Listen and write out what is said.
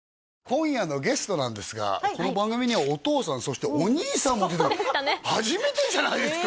今夜のゲストなんですがこの番組にはお父さんそしてお兄さんも出た初めてじゃないですか？